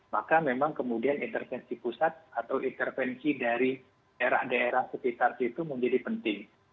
maka memang kemudian intervensi pusat atau intervensi dari daerah daerah sekitar situ menjadi penting